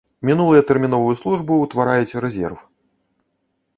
Мінулыя тэрміновую службу ўтвараюць рэзерв.